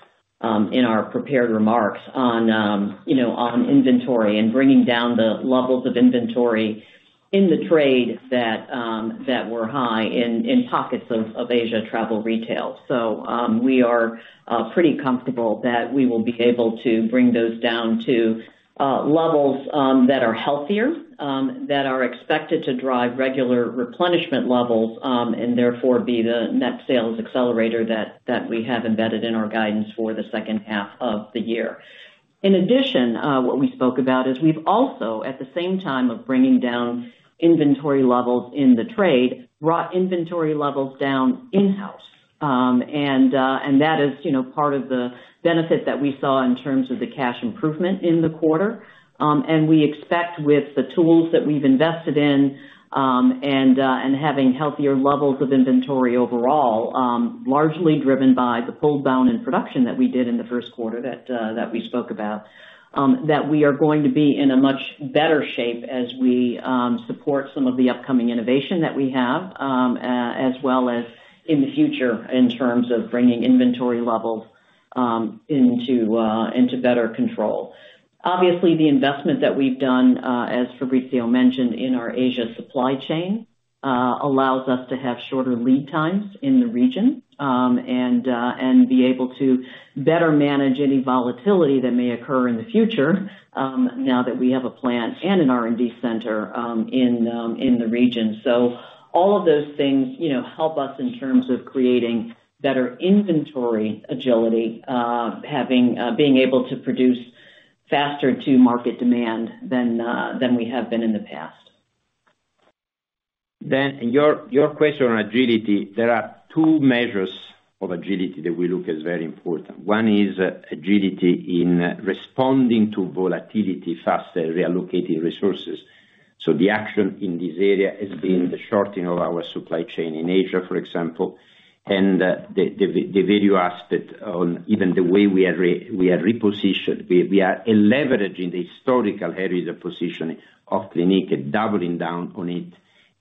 [SPEAKER 4] in our prepared remarks on, you know, on inventory and bringing down the levels of inventory in the trade that were high in pockets of Asia Travel Retail. So we are pretty comfortable that we will be able to bring those down to levels that are healthier, that are expected to drive regular replenishment levels, and therefore be the net sales accelerator that we have embedded in our guidance for the second half of the year. In addition, what we spoke about is we've also, at the same time of bringing down inventory levels in the trade, brought inventory levels down in-house. And that is, you know, part of the benefit that we saw in terms of the cash improvement in the quarter. And we expect with the tools that we've invested in, and having healthier levels of inventory overall, largely driven by the pull down in production that we did in the first quarter that we spoke about, that we are going to be in a much better shape as we support some of the upcoming innovation that we have, as well as in the future, in terms of bringing inventory levels into better control. Obviously, the investment that we've done, as Fabrizio mentioned, in our Asia supply chain... allows us to have shorter lead times in the region, and be able to better manage any volatility that may occur in the future, now that we have a plant and an R&D center in the region. So all of those things, you know, help us in terms of creating better inventory agility, being able to produce faster to market demand than we have been in the past.
[SPEAKER 3] Then your question on agility, there are two measures of agility that we look as very important. One is agility in responding to volatility faster, reallocating resources. So the action in this area has been the shortening of our supply chain in Asia, for example, and the various aspect on even the way we are repositioned. We are leveraging the historical area position of Clinique, doubling down on it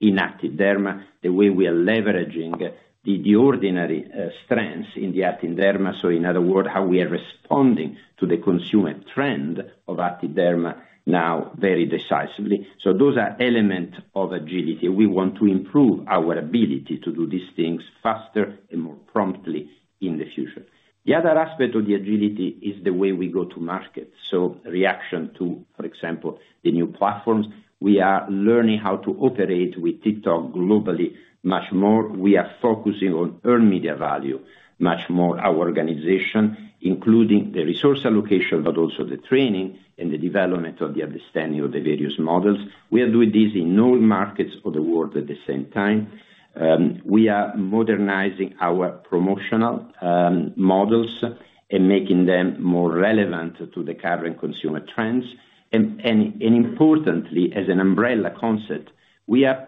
[SPEAKER 3] in Active Derma, the way we are leveraging the Ordinary strengths in the Active Derma. So in other words, how we are responding to the consumer trend of Active Derma now very decisively. So those are elements of agility. We want to improve our ability to do these things faster and more promptly in the future. The other aspect of the agility is the way we go to market. So reaction to, for example, the new platforms. We are learning how to operate with TikTok globally much more. We are focusing on earned media value much more. Our organization, including the resource allocation, but also the training and the development of the understanding of the various models. We are doing this in all markets of the world at the same time. We are modernizing our promotional models and making them more relevant to the current consumer trends. And importantly, as an umbrella concept, we are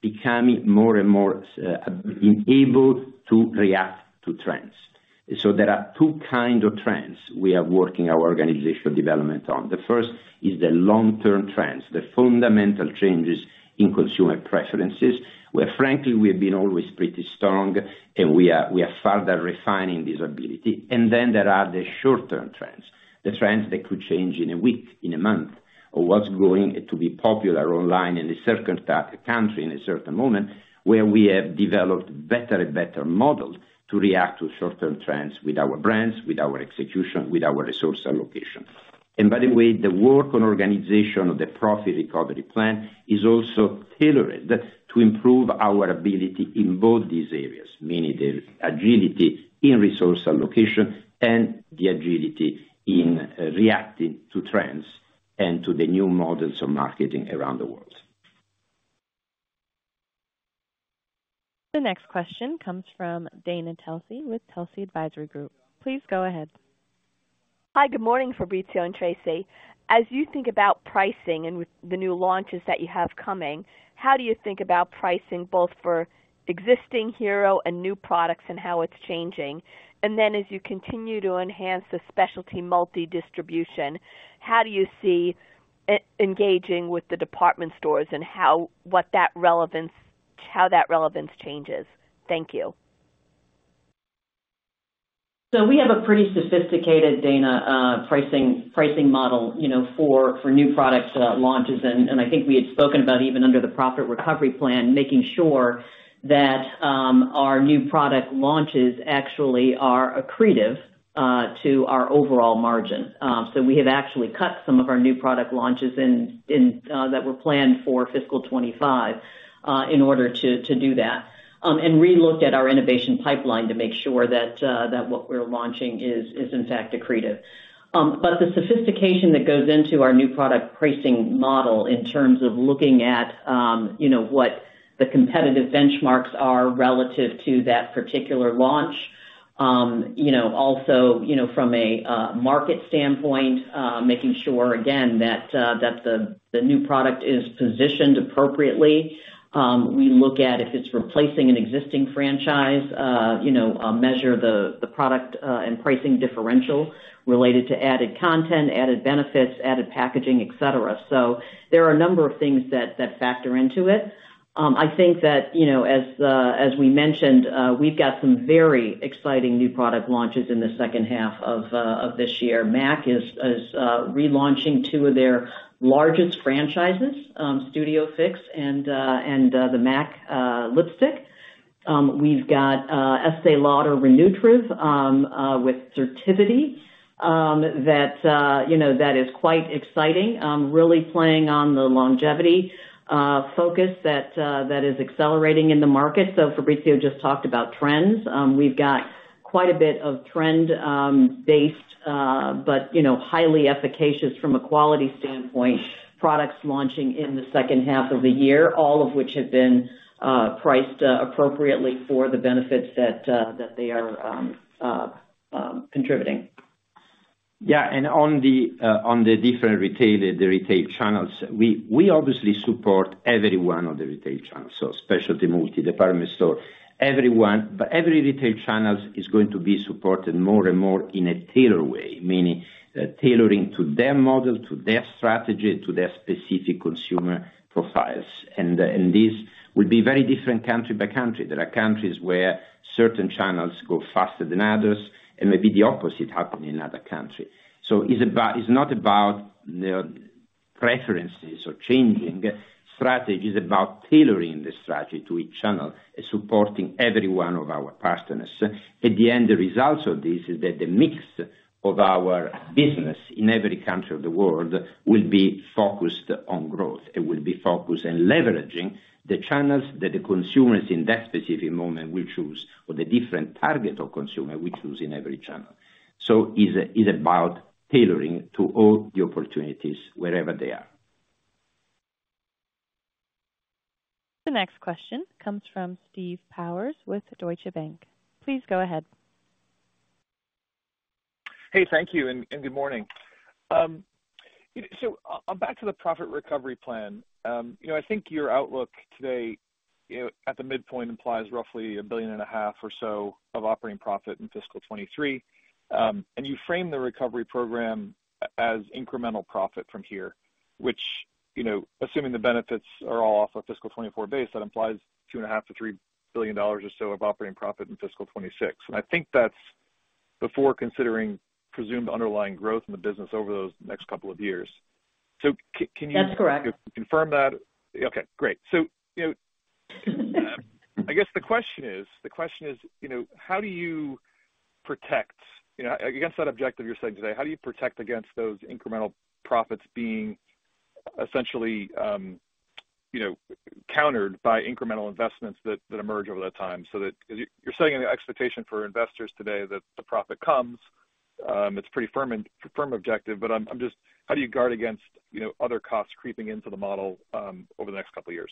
[SPEAKER 3] becoming more and more able to react to trends. So there are two kind of trends we are working our organizational development on. The first is the long-term trends, the fundamental changes in consumer preferences, where frankly, we have been always pretty strong, and we are further refining this ability. And then there are the short-term trends, the trends that could change in a week, in a month, or what's going to be popular online in a certain country, in a certain moment, where we have developed better and better models to react to short-term trends with our brands, with our execution, with our resource allocation. And by the way, the work on organization of the profit recovery plan is also tailored to improve our ability in both these areas, meaning the agility in resource allocation and the agility in reacting to trends and to the new models of marketing around the world.
[SPEAKER 1] The next question comes from Dana Telsey with Telsey Advisory Group. Please go ahead.
[SPEAKER 9] Hi, good morning, Fabrizio and Tracey. As you think about pricing and with the new launches that you have coming, how do you think about pricing both for existing hero and new products and how it's changing? And then as you continue to enhance the specialty multi-distribution, how do you see engaging with the department stores and how, what that relevance, how that relevance changes? Thank you.
[SPEAKER 4] So we have a pretty sophisticated, Dana, pricing model, you know, for new product launches. And I think we had spoken about even under the profit recovery plan, making sure that our new product launches actually are accretive to our overall margin. So we have actually cut some of our new product launches in that were planned for fiscal 2025 in order to do that, and relooked at our innovation pipeline to make sure that what we're launching is in fact accretive. But the sophistication that goes into our new product pricing model in terms of looking at, you know, what the competitive benchmarks are relative to that particular launch, you know, also, you know, from a market standpoint, making sure again, that the new product is positioned appropriately. We look at if it's replacing an existing franchise, you know, measure the product and pricing differential related to added content, added benefits, added packaging, et cetera. So there are a number of things that factor into it. I think that, you know, as we mentioned, we've got some very exciting new product launches in the second half of this year. MAC is relaunching two of their largest franchises, Studio Fix and the MAC lipstick. We've got Estée Lauder Re-Nutriv with SIRTIVITY, you know, that is quite exciting. Really playing on the longevity focus that is accelerating in the market. So Fabrizio just talked about trends. We've got quite a bit of trend based, but, you know, highly efficacious from a quality standpoint, products launching in the second half of the year, all of which have been priced appropriately for the benefits that they are contributing.
[SPEAKER 3] Yeah, and on the different retailer, the retail channels, we obviously support every one of the retail channels, so specialty, multi, department store, everyone. But every retail channels is going to be supported more and more in a tailored way, meaning tailoring to their model, to their strategy, to their specific consumer profiles. And this will be very different country by country. There are countries where certain channels grow faster than others, and maybe the opposite happen in other countries. So it's not about preferences or changing strategies about tailoring the strategy to each channel and supporting every one of our partners. At the end, the results of this is that the mix of our business in every country of the world will be focused on growth. It will be focused on leveraging the channels that the consumers in that specific moment will choose, or the different target of consumer will choose in every channel. So is about tailoring to all the opportunities wherever they are.
[SPEAKER 1] The next question comes from Steve Powers with Deutsche Bank. Please go ahead.
[SPEAKER 10] Hey, thank you, and good morning. So back to the profit recovery plan. You know, I think your outlook today, you know, at the midpoint, implies roughly $1.5 billion or so of operating profit in fiscal 2023. And you frame the recovery program as incremental profit from here, which, you know, assuming the benefits are all off a fiscal 2024 base, that implies $2.5 billion-$3 billion or so of operating profit in fiscal 2026. And I think that's before considering presumed underlying growth in the business over those next couple of years. So can you-
[SPEAKER 4] That's correct.
[SPEAKER 10] Confirm that? Okay, great. So, you know, I guess the question is, you know, how do you protect, you know, against that objective you're saying today, how do you protect against those incremental profits being essentially, you know, countered by incremental investments that emerge over that time? So that, you're setting an expectation for investors today that the profit comes, it's pretty firm and firm objective, but I'm just, how do you guard against, you know, other costs creeping into the model over the next couple of years?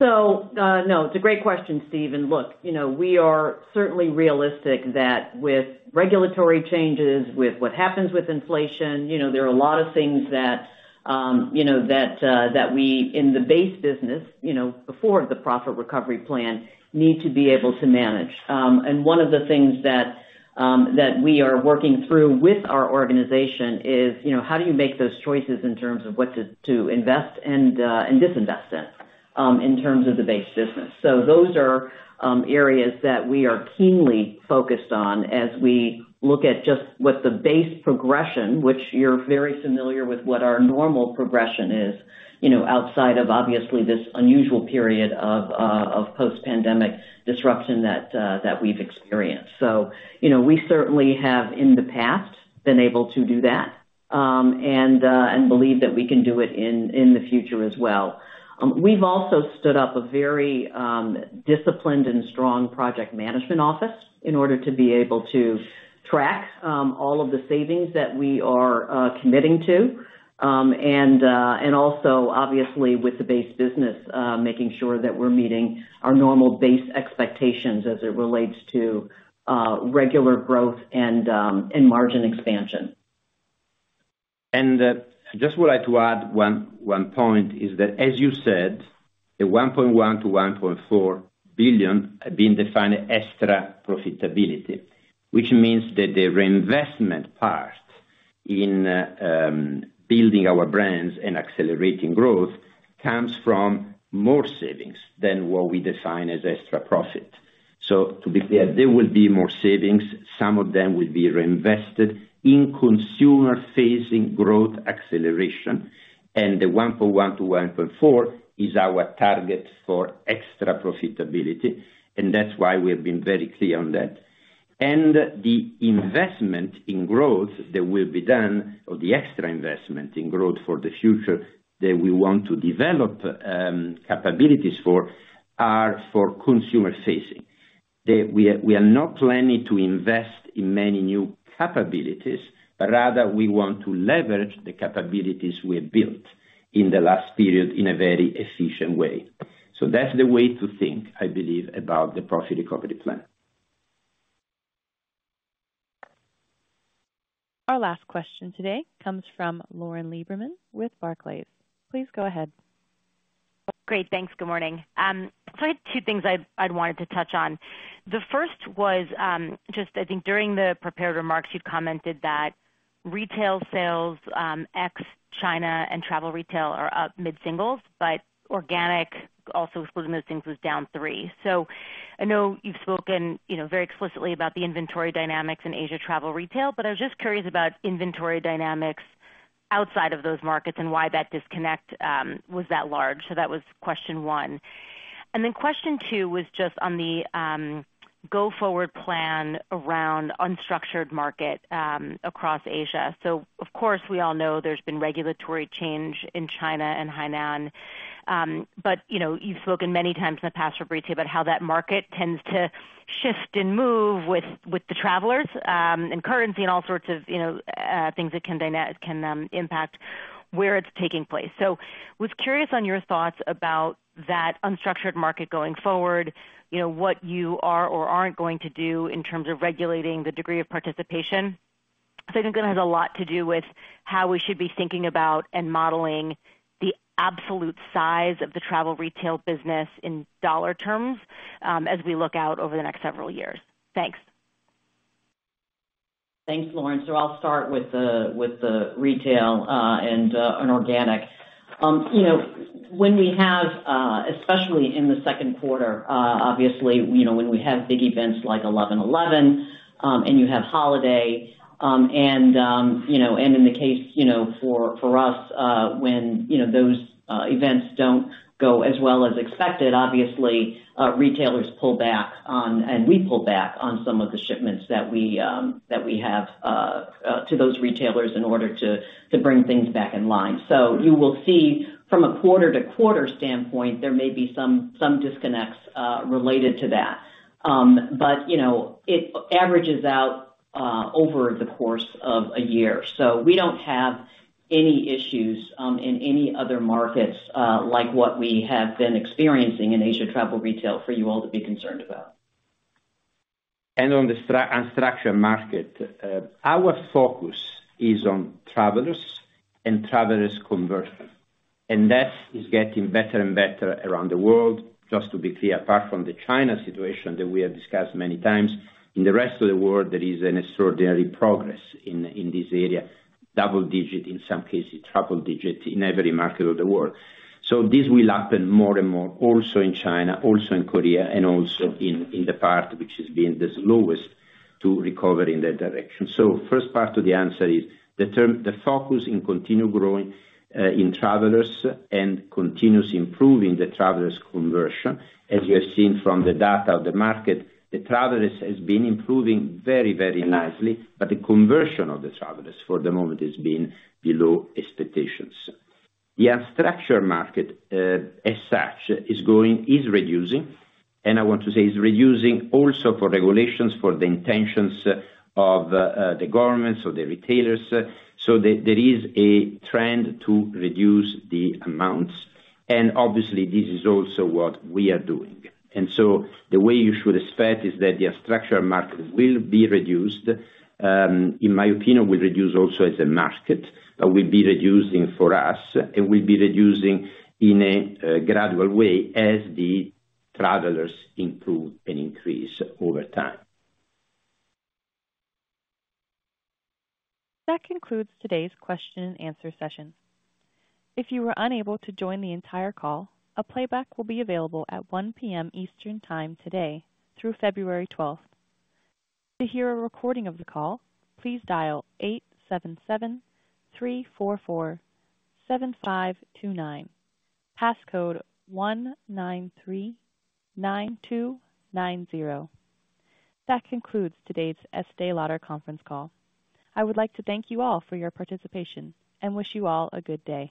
[SPEAKER 4] So, no, it's a great question, Steve. And look, you know, we are certainly realistic that with regulatory changes, with what happens with inflation, you know, there are a lot of things that, you know, that we, in the base business, you know, before the profit recovery plan, need to be able to manage. And one of the things that we are working through with our organization is, you know, how do you make those choices in terms of what to invest and disinvest in, in terms of the base business? So those are areas that we are keenly focused on as we look at just what the base progression, which you're very familiar with, what our normal progression is, you know, outside of obviously this unusual period of post-pandemic disruption that we've experienced. So, you know, we certainly have, in the past, been able to do that and believe that we can do it in the future as well. We've also stood up a very disciplined and strong project management office in order to be able to track all of the savings that we are committing to. And also obviously with the base business, making sure that we're meeting our normal base expectations as it relates to regular growth and margin expansion.
[SPEAKER 3] I just would like to add one point, is that, as you said, the $1.1 billion-$1.4 billion have been defined extra profitability, which means that the reinvestment part in building our brands and accelerating growth comes from more savings than what we define as extra profit. So to be clear, there will be more savings. Some of them will be reinvested in consumer-facing growth acceleration. And the $1.1 billion-$1.4 billion is our target for extra profitability, and that's why we have been very clear on that. And the investment in growth that will be done, or the extra investment in growth for the future, that we want to develop, capabilities for, are for consumer-facing. That we are, we are not planning to invest in many new capabilities, but rather we want to leverage the capabilities we have built in the last period in a very efficient way. So that's the way to think, I believe, about the profit recovery plan.
[SPEAKER 1] Our last question today comes from Lauren Lieberman with Barclays. Please go ahead.
[SPEAKER 11] Great, thanks. Good morning. So I had two things I'd wanted to touch on. The first was, just I think during the prepared remarks, you commented that retail sales, ex China and travel retail are up mid-singles, but organic also excluding those things, was down three. So I know you've spoken, you know, very explicitly about the inventory dynamics in Asia Travel Retail, but I was just curious about inventory dynamics outside of those markets and why that disconnect was that large? So that was question one. And then question two was just on the go-forward plan around unstructured market, across Asia. So of course, we all know there's been regulatory change in China and Hainan. But you know, you've spoken many times in the past briefly about how that market tends to shift and move with the travelers, and currency and all sorts of, you know, things that can impact where it's taking place. I was curious on your thoughts about that unstructured market going forward, you know, what you are or aren't going to do in terms of regulating the degree of participation. So I think that has a lot to do with how we should be thinking about and modeling the absolute size of the travel retail business in dollar terms, as we look out over the next several years. Thanks.
[SPEAKER 4] Thanks, Lauren. So I'll start with the retail and on organic. You know, when we have, especially in the second quarter, obviously, you know, when we have big events like 11.11, and you have holiday, and, you know, and in the case, you know, for us, when, you know, those events don't go as well as expected, obviously, retailers pull back on, and we pull back on some of the shipments that we that we have to those retailers in order to bring things back in line. So you will see from a quarter to quarter standpoint, there may be some disconnects related to that. But, you know, it averages out over the course of a year. We don't have any issues in any other markets like what we have been experiencing in Asia Travel Retail for you all to be concerned about.
[SPEAKER 3] On the unstructured market, our focus is on travelers and travelers conversion, and that is getting better and better around the world. Just to be clear, apart from the China situation that we have discussed many times, in the rest of the world, there is an extraordinary progress in this area, double-digit, in some cases, triple-digit, in every market of the world. So this will happen more and more also in China, also in Korea, and also in the part which has been the slowest to recover in that direction. So first part of the answer is the term, the focus is to continue growing in travelers and continues improving the travelers conversion. As you have seen from the data of the market, the travelers has been improving very, very nicely, but the conversion of the travelers, for the moment, has been below expectations. The unstructured market, as such, is reducing, and I want to say is reducing also for regulations, for the intentions of, the governments or the retailers. So there, there is a trend to reduce the amounts, and obviously this is also what we are doing. And so the way you should expect is that the unstructured market will be reduced, in my opinion, will reduce also as a market, but will be reducing for us and will be reducing in a, gradual way as the travelers improve and increase over time.
[SPEAKER 1] That concludes today's question and answer session. If you were unable to join the entire call, a playback will be available at 1:00 P.M. Eastern time today through February 12th. To hear a recording of the call, please dial 877-344-7529, passcode 1939290. That concludes today's Estée Lauder conference call. I would like to thank you all for your participation and wish you all a good day.